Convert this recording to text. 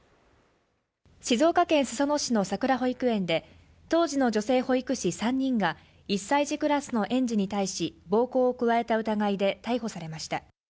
静岡県裾野市のさくら保育園で当時の女性保育士３人が１歳児クラスの園児に対し暴行を加えた疑いで逮捕されました